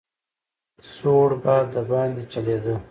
سوړ باد دباندې چلېده.